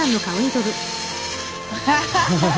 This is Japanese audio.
アハハハ！